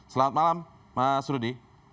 selamat malam mas rudi